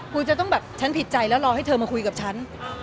กูจะต้องแบบฉันผิดใจแล้วรอให้เธอมาคุยกับฉัน